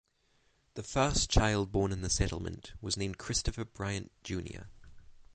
The first child born in the settlement was named Christopher Bryant Jr.